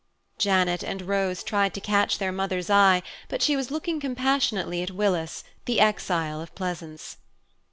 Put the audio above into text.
Janet and Rose tried to catch their mother's eye, but she was looking compassionately at Willis, the exile of Pleasance.